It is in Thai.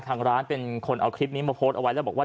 ทางร้านเป็นคนเอาคลิปนี้มาโพสต์เอาไว้แล้วบอกว่า